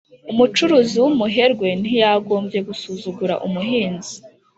umucuruzi w’umuherwe ntiyagombye gusuzugura umuhinzi